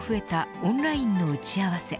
オンラインの打ち合わせ。